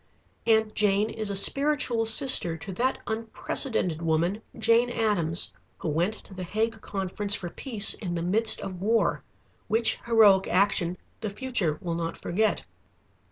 Aunt Jane is a spiritual sister to that unprecedented woman, Jane Addams, who went to the Hague conference for Peace in the midst of war, which heroic action the future will not forget.